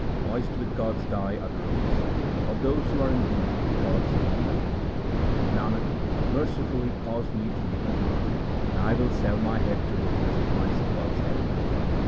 Moist with God's dye are the robes 2 of those who are imbued with God's deep dye. Nanak, mercifully cause me to meet the Guru, and I will sell my head to him as the price of God's name.